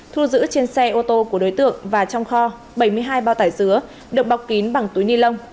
thu giữ trên xe ô tô của đối tượng và trong kho bảy mươi hai bao tải dứa được bọc kín bằng túi ni lông